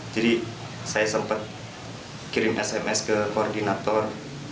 jadi saya sempat kirim sms ke koordinator